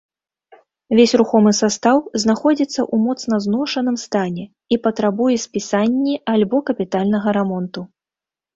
Весь рухомы састаў знаходзіцца ў моцна зношаным стане і патрабуе спісанні альбо капітальнага рамонту.